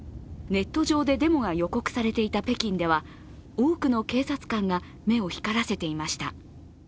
ネット上でデモが予告されていた北京では多くの警察官が目を光らせていました。